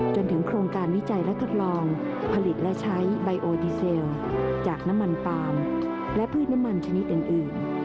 โครงการวิจัยและทดลองผลิตและใช้ไบโอดีเซลจากน้ำมันปาล์มและพืชน้ำมันชนิดอื่น